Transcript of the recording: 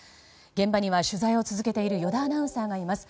現場には、取材を続けている依田アナウンサーがいます。